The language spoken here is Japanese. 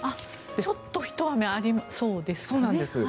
ちょっとひと雨ありそうですね。